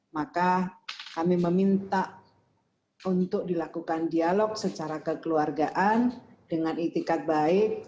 maka kami meminta untuk dilakukan dialog secara kekeluargaan dengan itikat baik